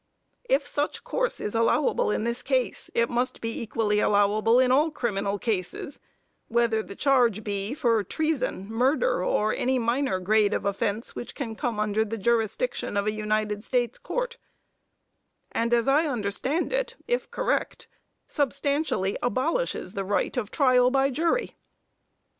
If such course is allowable in this case, it must be equally allowable in all criminal cases, whether the charge be for treason, murder or any minor grade of offence which can come under the jurisdiction of a United States court; and as I understand it, if correct, substantially abolishes the right of trial by jury.